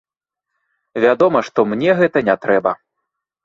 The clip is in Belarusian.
Вядома, што мне гэта не трэба.